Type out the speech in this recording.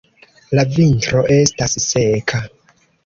La vintro estas seka.